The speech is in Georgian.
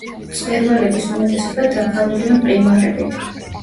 მწვერვალების უმეტესობა დაფარულია მყინვარებით.